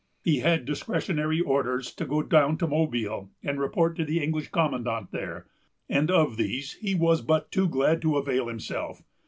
He had discretionary orders to go down to Mobile and report to the English commandant there; and of these he was but too glad to avail himself.